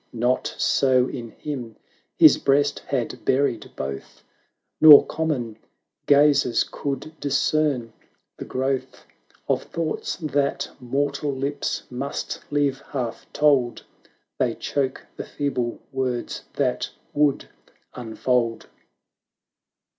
Not so in him; his breast had buried both. Nor common gazers could discern the growth Of thoughts that mortal lips must leave half told; They choke the feeble words that would unfold.